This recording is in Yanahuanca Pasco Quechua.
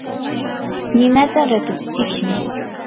ninata ratatsishun.